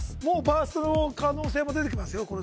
もうバーストの可能性も出てきますよ